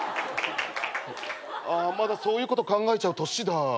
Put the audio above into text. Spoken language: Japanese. あまだそういうこと考えちゃう年だ。